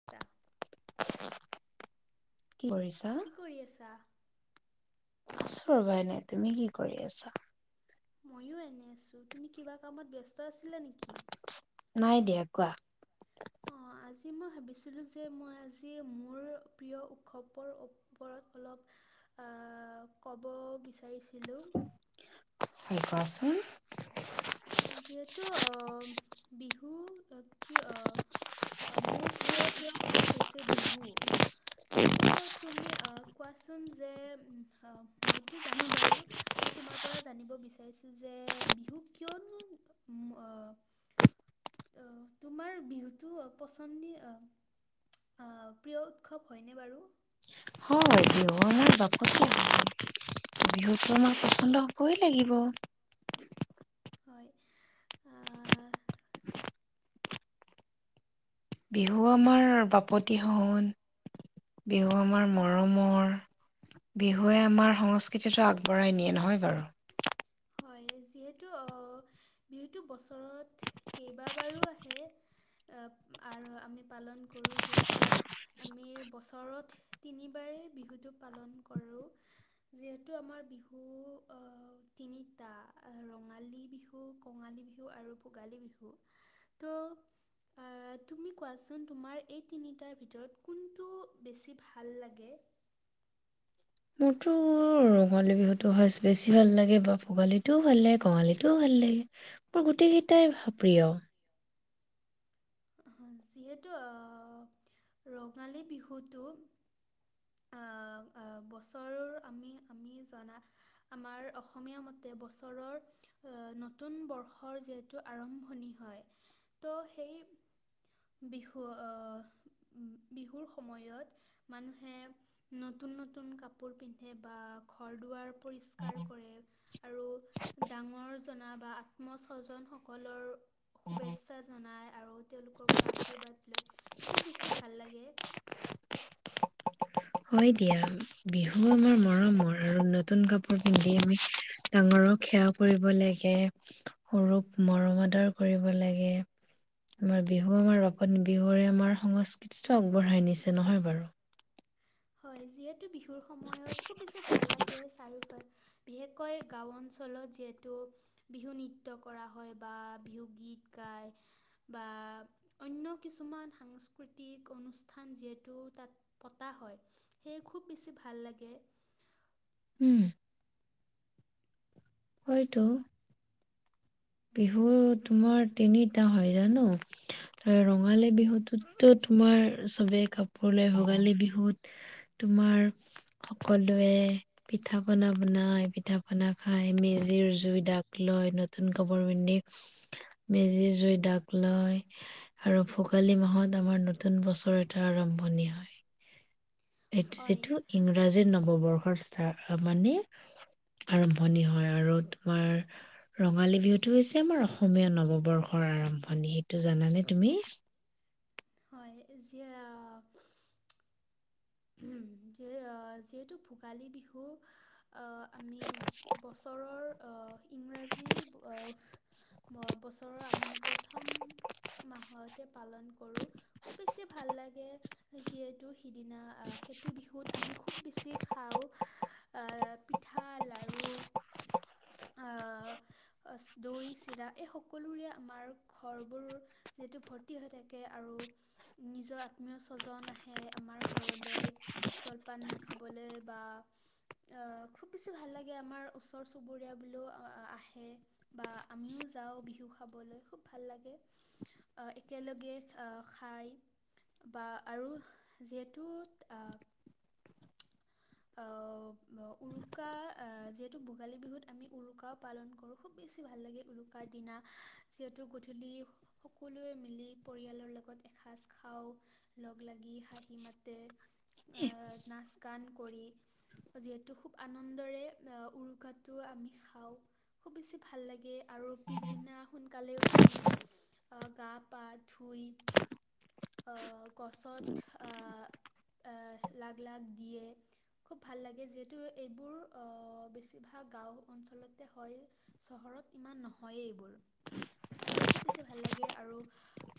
আছা। কি কৰিছা? কি কৰি আছা? আছো ৰ'বা এনে তুমি কি কৰি আছা। ময়ো এনে আছো! তুমি কিবা কামত ব্যস্ত ব্যস্ত আছিলা নেকি? [unintelligible] অঁ আজি মই ভাবিছিলোঁ যে মই আজি মোৰ প্ৰিয় উৎসৱৰ ওপৰত অলপ ক'ব বিচাৰিছিলোঁ। এই পছ যিহেতু বিহু কি মোৰ প্ৰিয় উৎসৱ হৈছে বিহু ত তুমি কোৱাচোন যে মইতো জানো বাৰু মই তোমাৰ পৰা জানিব বিচাৰিছোঁ যে বিহুক কিয়নো? তোমাৰ বিহুতো পচ পচন্দী অ', প্ৰিয় উৎসৱ হয়নে বাৰু হয়, বিহু আমাৰ বাপতিসাহোন বিহুতটো আমাৰ পচন্দ হবয়ে লাগিব। হয়। বিহু আমাৰ বাপতিহন বিহু আমাৰ মৰমৰ বিহুৱে আমাৰ সংস্কৃতিটো আগবঢ়াই নিয়ে নহয় বাৰু হয়, যিহেতু বিহুটো বছৰত কেইবাবাৰো আহে আৰু আমি পালন কৰোঁ। যিহেতু আমি বছৰত তিনিবাৰেই বিহুটো পালন কৰোঁ। যিহেতু আমাৰ বিহু তিনিটা ৰঙালী বিহু, কঙালী বিহু আৰু ভোগালী বিহু ত' তুমি কোৱাচোন তোমাৰ এই তিনিটাৰ ভিতৰত কোনটো বেছি ভাল লাগে। মোৰতো ৰঙালী বিহুটো সচ বেছি ভাল লাগে, বা ভোগালীটোও ভাল লাগে কঙালীটোও ভাল লাগে। মোৰ গোটেইকেইটাই প্ৰিয়- যিহেতু আহ ৰঙালী বিহুটো আহ আহ বছৰৰ আমি আমি জনা আমাৰ অসমীয়া মতে বছৰৰ আহ নতুন বৰ্ষৰ যিহেতু আৰম্ভণি হয়, ত সেই বিহু আহ বিহুৰ সময়ত মানুহে নতুন নতুন কাপোৰ পিন্ধে বা ঘৰ দুৱাৰ পৰিষ্কাৰ কৰে। আৰু ডাঙৰ জনা বা আত্ম স্বজন সকলৰ শুভেচ্ছা জনাই আৰু তেওঁলোকৰ পৰা আশীৰ্বাদ লৈ খুব বেছি ভাল লাগে। হয় দিয়া, বিহু আমাৰ মৰমৰ আৰু নতুন কাপোৰ পিন্ধি আমি ডাঙৰক সেৱা কৰিব লাগে। সৰুক মৰম আদৰ কৰিব লাগে আমাৰ বিহু আমাৰ বিহুৰে আমাৰ সংস্কৃতিতটো আগবঢ়াই নিছে নহয় বাৰু হয় যিয়েই এইটো বিহুৰ সময়ত খুব বেছি ভাল লাগে। চাৰিওফাল বিশেষকৈ গাঁও অঞ্চলত যিহেতু বিহু নৃত্য কৰা হয় বা বিহু গীত গায় বা অন্য কিছুমান সাংস্কৃতিক অনুষ্ঠান যিহেতু তাত পতা হয়। সেয়ে খুব বেছি ভাল লাগে। উ'ম। হয়টো। বিহু তোমাৰ তিনিটা হয় জানো ৰঙালী বিহুতো তোমাৰ চবে কাপোৰ লয়। ভোগালী বিহুত তোমাৰ সকলোৱে পিঠা পনা বনাই, পিঠা পনা খাই মেজিৰ জুই দাগ লয় নতুন কাপোৰ পিন্ধি মেজি জুই দাগ লয় আৰু ভোগালী মাহত আমাৰ নতুন বছৰ এটা আৰম্ভণি হয়। এইটো হয় যিটো ইংৰাজী নৱবৰ্ষ মানে আৰম্ভণি হয় আৰু তোমাৰ ৰঙালী বিহুতটো হৈছে আমাৰ অসমীয়া নৱবৰ্ষৰ আৰম্ভণি সেইটো জানানে তুমি হয়, যিয়ে উ'ম যিহেতু ভোগালী বিহু আমি বছৰৰ ইংৰাজী বছৰ আমি প্ৰথম মাহতে পালন কৰোঁ। খুব বেছি ভাল লাগে যিহেতু সিদিনা সেইটো বিহুত আমি খুব বেছি খাওঁ আহ পিঠা, লাৰু আহ দৈ চিৰা এই সকলোৰে আমাৰ ঘৰবোৰ যিহেতু ভৰ্তি হৈ থাকে আৰু নিজৰ আত্মীয় স্বজন আহে আমাৰ ঘৰলৈ জলপান খাবলৈ বা খুব বেছি ভাল লাগে। আমাৰ ওচৰ চুবুৰীয়া বোৰো আহে বা আমিও যাওঁ বিহু খাবলৈ খুব ভাল লাগে একেলগে খাই বা আৰু যিহেত বিহুত আহ- আহ উৰুকা যিহেতু ভোগালী বিহুত আমি উৰুকাও পালন কৰোঁ খুব বেছি ভাল লাগে। উৰুকাৰ দিনা যিহেতু গধূলি সকলোৱে মিলি পৰিয়ালৰ লগত এসাঁজ খাওঁ লগ লাগি হাঁহি মাতে নাচ গান যিহেতু খুব আনন্দৰে উৰুকাটো আমি খাওঁ খুব বেছি ভাল লাগে আৰু পিছদিনা সোনকালে উঠি গা পা ধুই আহ গছত আহ আহ লাখ লাখ দিয়ে খুব ভাল লাগে যিহেতু এইবোৰ অ বেছিভাগ গাও অঞ্চলতে হয় চহৰত ইমান নহয়েই এইবোৰ [unintelligible] খুব বেছি ভাল লাগে আৰু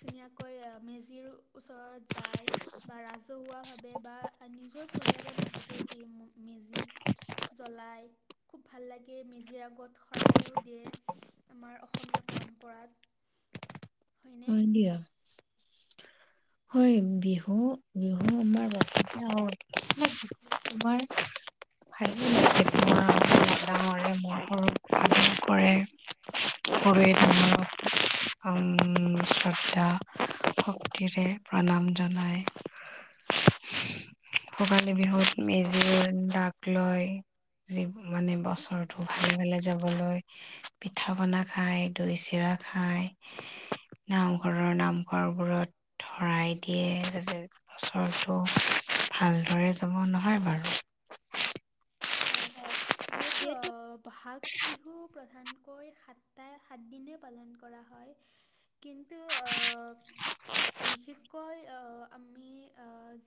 ধুনীয়াকৈ মেজিৰ ওচৰত যায় বা ৰাজহুৱাভাৱে বা নিজৰ পৰিয়ালৰ যি মেজি জ্বলাই খুব ভাল লাগে মেজিৰ আগত শৰাইয়ো দিয়ে আমাৰ অসমীয়া পৰম্পৰাত অ হয়নে দিয়া হয় বিহু বিহু আমাৰ ব বিহু তোমাৰ ডাঙৰে মৰতালন কৰে সৰুৱে ডাঙক শ্ৰদ্ধা শক্তিৰে প্ৰণাম জনায় ভোগালী বিহুত মেজিৰ দাগ লয় যি মানে বছৰটো ভালে ভালে যাবলৈয় পিঠা পনা খায় দৈ চিৰা খাই নামঘৰৰ নামঘৰবোৰত ধৰাই দিয়ে যাতে বছৰটো ভালদৰে যাব নহয় বাৰু হয় যিহেতু বহাগ বিহু প্ৰধান সাতটা সাতদিনে পালন কৰা হয় কিন্তু বিশেষকৈ আমি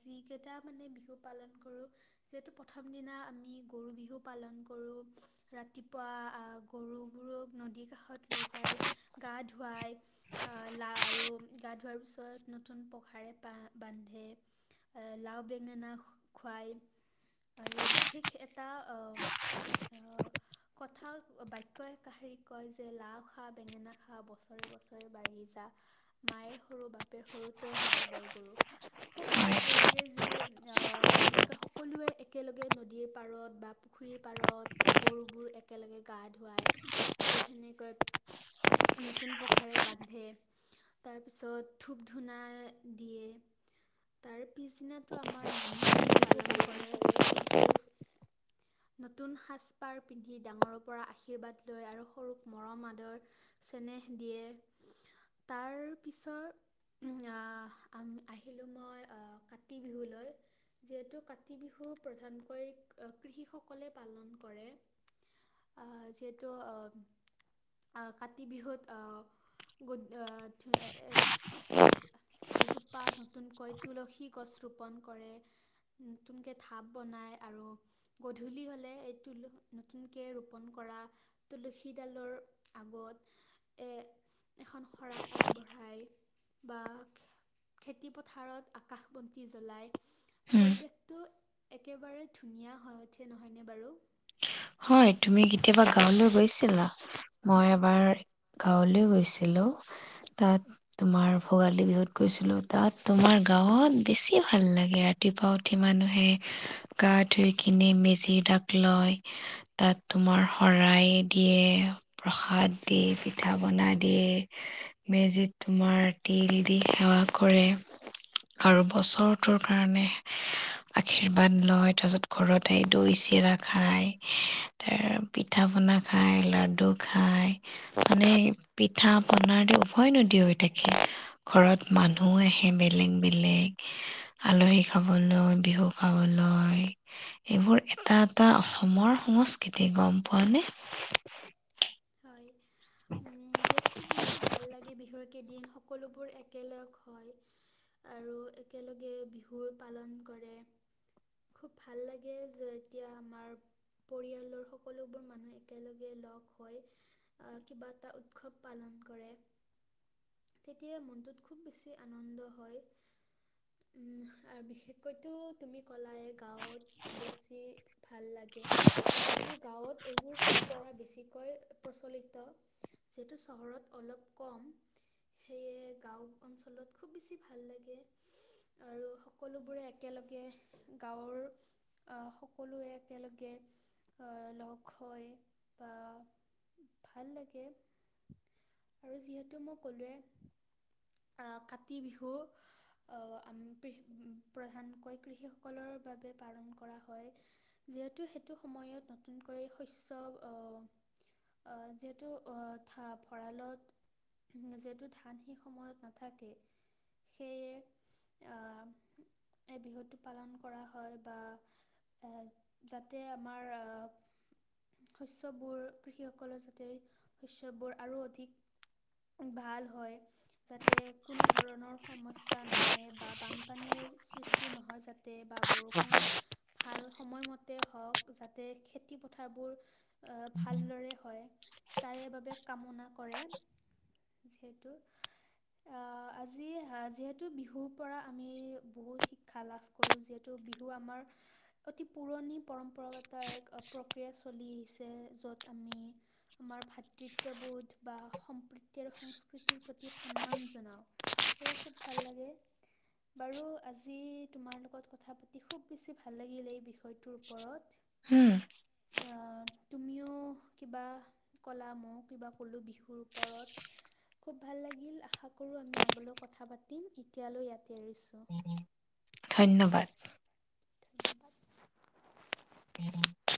যিকেইটা মানে বিহু পালন কৰোঁ যিহেতু প্ৰথম দিনা আমি গৰু বিহু পালন কৰোঁ ৰাতিপুৱা গৰুবোৰক নদীৰ কাষত লৈ যায় গা ধুৱাই লা আৰু গা ধোৱাৰ পিছত নতুন পখাৰে বান্ধে লাও বেঙেনা খুৱায় আৰু বিশেষ এটা আহ আহ কথা বাক্যয়ই কাহীক কয় যে লাও খা বেঙেনা খা বছৰে বছৰে বাঢ়ি যা কথা বাক্য এষাৰি কয় যে লাও খা বেঙেনা খা বছৰে বছৰে বাঢ়ি যায় মাৰে সৰু বাপে সৰু তই হবি বৰ গৰু খুব বেছি ভাল লাগে যি আহ এনেকে সকলোৱে একেলগে নদীৰ পাৰত বা পুখুৰীৰ পাৰত গৰুবোৰ একেলগে গা ধুৱাই আৰু সেনেকৈ নতুন পঘাৰে বান্ধে তাৰপিছত ধূপ ধূনা দিয়ে তাৰ পিছদিনাতো আমাৰ মানুহ বিহু পালন কৰে যিহেতু নতুন সাজ পাৰ পিন্ধি ডাঙৰৰ পৰা আশীৰ্বাদ লৈ আৰু সৰুক মৰম আদৰ চেনেহ দিয়ে তাৰ পিছৰ আহ আহিলো মই কাতি বিহুলৈ যিহেতু কাতি বিহু প্ৰধানকৈ কৃষিসকলে পালন কৰে আ যিহেতু আহ কাতি বিহুত আহ গ এজোক পা নতুনকৈ তুলসী গছ ৰোপন কৰে নতুনকে ঢাপ বনাই আৰু গধূলি হ'লে এই তুল নতুনকে ৰোপন কৰা তুলসীডালৰ আগত এ এখন শৰাই আগবঢ়াই বা খেতি পথাৰত আকাশ বন্তি জ্বলাই উম, পৰিৱেশটো একেবাৰে ধুনীয়া হয় উঠে নহয়নেে বাৰু হয় তুমি কেতিয়াবা গাঁৱলৈ গৈছিলা মই এবাৰ গাঁৱলৈ গৈছিলো তাত তোমাৰ ভোগালী বিহুত গৈছিলো তাত তোমাৰ গাঁৱত বেছি ভাল লাগে ৰাতিপুৱা উঠি মানুহে গা ধুই কিনি মেজি দাক লয় তাত তোমাৰ শৰাই দিয়ে প্ৰসাদ দিয়ে পিঠা পনা দিয়ে মেজিত তোমাৰ তিল দি সেৱা কৰে আৰু বছৰটোৰ কাৰণে আশীৰ্বাদ লয় তাৰপাছত ঘৰত আহি দৈ চিৰা খাই পিঠা পনা খায় লাডু খাই মানে পিঠা পনাৰ দি উভয় নদী হৈ থাকে ঘৰত মানুহ আহে বেলেগ বেলেগ আলহী খাবলৈ বিহু খাবলৈ এইবোৰ এটা এটা অসমৰ সংস্কৃতি গম পোৱা নে উম যিহেতু খুব বেছি ভাল লাগে বিহুৰ কেইদিন সকলোবোৰ একেলগ হয় আৰু একেলগে বিহু পালন কৰে খুব ভাল লাগে যে এতিয়া আমাৰ পৰিয়ালৰ সকলোবোৰ মানুহ একেলগে লগ হয় আ কিবা এটা উৎসৱ পালন কৰে তেতিয়া মনটোত খুব বেছি আনন্দ হয় উম আৰু বিশেষকৈটো তুমি কলা গাঁৱত বেছি ভাল লাগে যিহেতু গাঁৱত এইবোৰ পৰম্পৰা বেছি কৈ প্ৰচলিত যিহেতু চহৰত অলপ কম সেয়ে গাঁও অঞ্চলত খুব বেছি ভাল লাগে আৰু সকলোবোৰে একেলগে গাঁৱৰ অঁ সকলোৱে একেলগে অ লগ হয় বা ভাল লাগে আৰু যিহেতু মই কলোৱে আহ কাতি বিহু আহ কৃষি প্ৰধানকৈ কৃষি সকলৰ বাবে পালন কৰা হয় যিহেতু সেইটো সময়ত নতুনকৈ শস্য অঁ আহ যিহেতু আহ ধা ভঁৰালত যিহেতু ধান সেই সময়ত নাথাকে সেয়ে আহ এই বিহুটো পালন কৰা হয় বা এ যাতে আমাৰ আহ শস্য বোৰ কৃষসকলৰ যাতে শস্য বোৰ আৰু অধিক ভাল হয় যাতে কোনো ধৰণৰ সমস্যা নাহে বা বানপানীৰ সৃষ্টি নহয় হয় যাতে বা বৰষুণ ভাল সময়মতে হওক যাতে খেতি পথাৰবোৰ ভালদৰে হয় তাৰে বাবে কামনা কৰে যিহেতু আজি যিহেতু বিহুৰ পৰা আমি বহুত শিক্ষা লাভ কৰোঁ যিহেতু বিহু আমাৰ অতি পুৰণি পৰম্পৰাগত এক প্ৰক্ৰিয়া চলি আহিছে য'ত আমি আমাৰ ভাতৃত্ববোধ বা সম্প্ৰীতি আৰু সংস্কৃতিৰ প্ৰতি সন্মান জনাও সেয়ে খুব ভাল লাগে বাৰু আজি তোমাৰ লগত কথা পাতি খুব বেছি ভাল লাগিলে এই বিষয়টোৰ ওপৰত হম অ তুমিও কিবা কলা ময়ো কিবা কলো বিহুৰওৰত খুব ভাল লাগিল আশা কৰো আমি আগলৈ কথা পাতিম এতিয়ালৈ ইয়াতে এৰিছো ধন্যবাদ